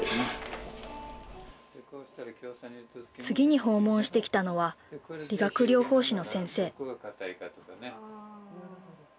次に訪問してきたのは理学療法士の先生。